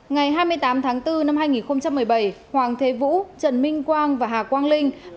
ngày hai mươi tám tháng bốn năm hai nghìn một mươi bảy hoàng thế vũ trần minh quang và hà quang linh